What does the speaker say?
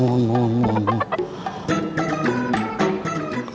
muah muah muah muah